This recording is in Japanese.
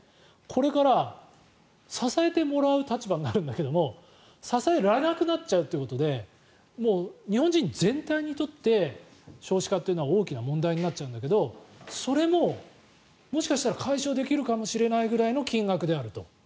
これから支えてもらう立場になるんだけれども支えられなくなっちゃうということで日本人全体にとって少子化というのは大きな問題になっちゃうんだけどそれももしかしたら解消できるかもしれないぐらいの金額であると。